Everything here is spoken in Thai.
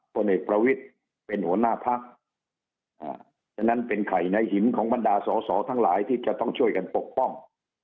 ผลเอกประวิทย์เป็นหัวหน้าพักฉะนั้นเป็นไข่ในหินของบรรดาสอสอทั้งหลายที่จะต้องช่วยกันปกป้อง